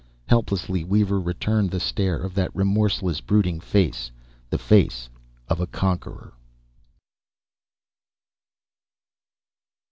Helplessly, Weaver returned the stare of that remorseless, brooding face: the face of a conqueror.